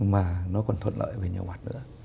mà nó còn thuận lợi về nhiều mặt nữa